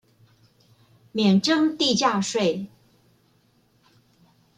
免徵地價稅